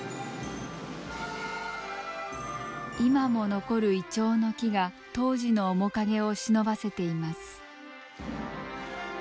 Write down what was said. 今も残る銀杏の木が当時の面影をしのばせています。